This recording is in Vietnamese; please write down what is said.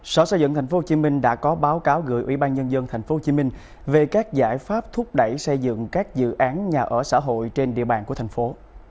sở xây dựng tp hcm đã có báo cáo gửi ủy ban nhân dân tp hcm về các giải pháp thúc đẩy xây dựng các dự án nhà ở xã hội trên địa bàn của thành phố